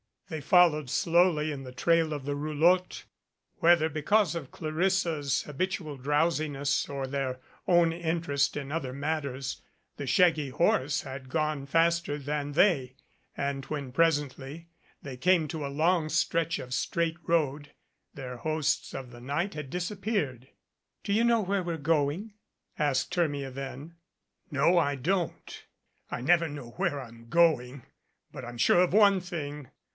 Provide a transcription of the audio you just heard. They followed slowly in the trail of the roulotte. Whether because of Clarissa's habitual drowsiness or their own interest in other matters, the shaggy horse had gone faster than they, and when presently they came to a long stretch of straight road their hosts of the night had disappeared. "Do you know where we're going?" asked Hermia then. "No, I don't. I never know where I'm going. But I'm sure of one thing.